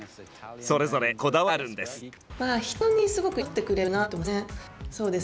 それぞれこだわりがあるんです。